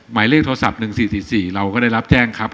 หมายเลขโทรศัพท์๑๔๔๔เราก็ได้รับแจ้งครับ